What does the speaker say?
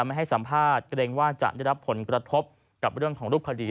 ไม่ให้สัมภาษณ์เกรงว่าจะได้รับผลกระทบกับเรื่องของรูปคดี